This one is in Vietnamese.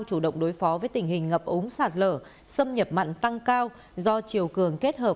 chủ động đối phó với tình hình ngập ống sạt lở xâm nhập mặn tăng cao do chiều cường kết hợp